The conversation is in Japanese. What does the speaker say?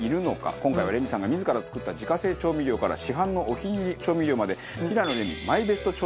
今回はレミさんが自ら作った自家製調味料から市販のお気に入り調味料まで。